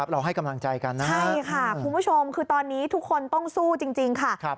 เราให้กำลังใจกันนะใช่ค่ะคุณผู้ชมคือตอนนี้ทุกคนต้องสู้จริงค่ะ